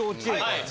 はい。